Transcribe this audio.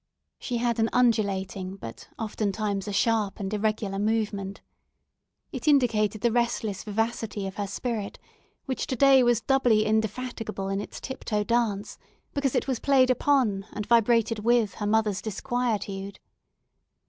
She had an undulating, but oftentimes a sharp and irregular movement. It indicated the restless vivacity of her spirit, which today was doubly indefatigable in its tip toe dance, because it was played upon and vibrated with her mother's disquietude.